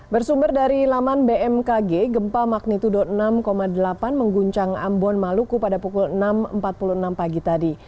bersumber dari laman bmkg gempa magnitudo enam delapan mengguncang ambon maluku pada pukul enam empat puluh enam pagi tadi